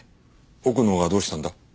奥野がどうしたんだ？